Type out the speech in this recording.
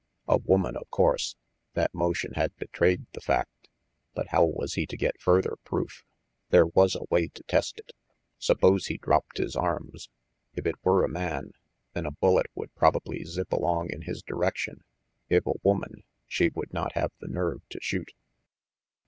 A woman, of course. That motion had betrayed the fact. But how was he to get further proof? There was a way to test it. Suppose he dropped his arms. If it were a man, then a bullet would probably zip along in his direction; if a woman, she would not have the nerve to shoot.